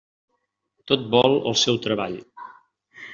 Tot vol el seu treball.